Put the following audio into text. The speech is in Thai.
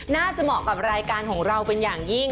เหมาะกับรายการของเราเป็นอย่างยิ่ง